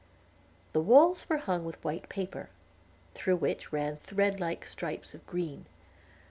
The walls were hung with white paper, through which ran thread like stripes of green.